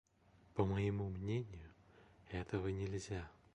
По моему мнению, этого нельзя.